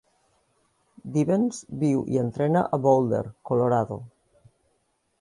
Dibens viu i entrena a Boulder, Colorado.